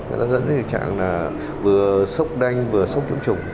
người ta dẫn đến tình trạng là vừa sốc đanh vừa sốc nhiễm trùng